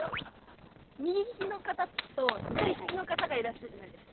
右利きの方と左利きの方がいらっしゃるじゃないですか。